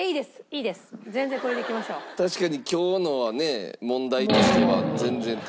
確かに今日のはね問題としては全然食べ物。